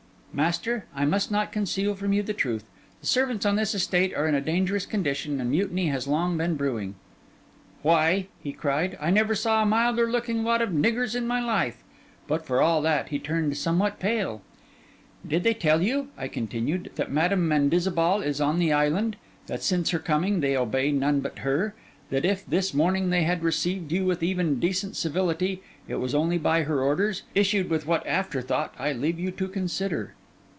'Master, I must not conceal from you the truth. The servants on this estate are in a dangerous condition, and mutiny has long been brewing.' 'Why,' he cried, 'I never saw a milder looking lot of niggers in my life.' But for all that he turned somewhat pale. 'Did they tell you,' I continued, 'that Madam Mendizabal is on the island? that, since her coming, they obey none but her? that if, this morning, they have received you with even decent civility, it was only by her orders—issued with what after thought I leave you to consider?